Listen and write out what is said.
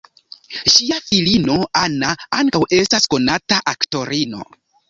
Ŝia filino Anna ankaŭ estas konata aktorino.